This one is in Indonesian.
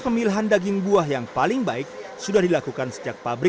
pembangunan durian ekspor